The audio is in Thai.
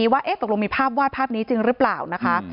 ว่าตกลงมีภาพวาดภาพนี้จริงหรือเปล่านะคะ